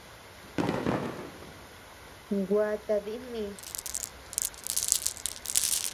Gua tadi mi.